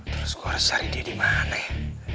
terus gue harus cari dia di mana ya